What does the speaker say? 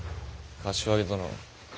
柏木殿。